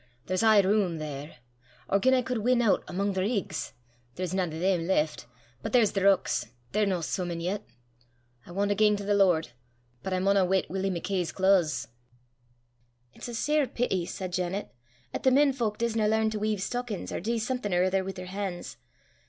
There's aye room there. Or gien I cud win oot amo' the rigs! There's nane o' them left, but there's the rucks they're no soomin' yet! I want to gang to the Lord, but I maunna weet Willie Mackay's claes." "It's a sair peety," said Janet, "'at the men fowk disna learn to weyve stockins, or dee something or ither wi' their han's.